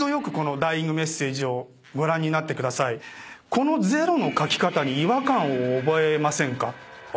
このゼロの書き方に違和感を覚えませんか？